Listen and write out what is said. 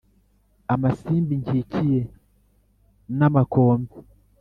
Amasimbi nkikiye n’amakombe